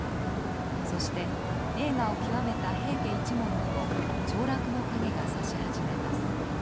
そして栄華を極めた平家一門にも凋落の影がさし始めます。